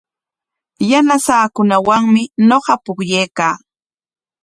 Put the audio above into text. Yanasaakunawanmi ñuqa pukllaykaa.